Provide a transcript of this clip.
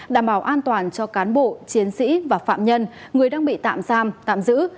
đảm bảo an toàn cho cán bộ chiến sĩ và phạm nhân người đang bị tạm giam tạm giữ